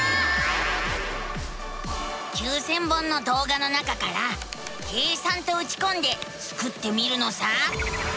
９，０００本のどうがの中から「計算」とうちこんでスクってみるのさ。